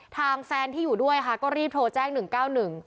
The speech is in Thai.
ทางแซนที่อยู่ด้วยก็รีบโทรแจ้ง๑๙๑